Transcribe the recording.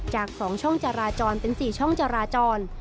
จาก๒ช่องจราจรเป็น๔ช่องจราจร